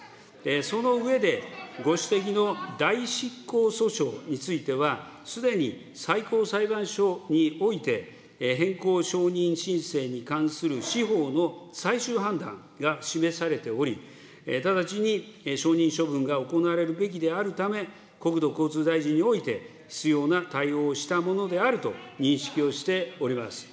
その上で、ご指摘の代執行訴訟については、すでに最高裁判所において、変更承認申請に関する司法の最終判断が示されており、直ちにが行われるべきであるため、国土交通大臣において、必要な対応をしたものであると認識をしております。